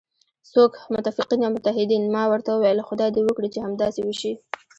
څوک؟ متفقین او متحدین، ما ورته وویل: خدای دې وکړي چې همداسې وشي.